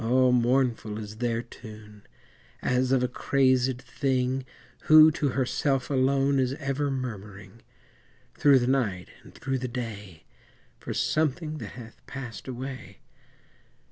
mournful is their tune, As of a crazèd thing Who, to herself alone, Is ever murmuring, Through the night and through the day, For something that hath passed away.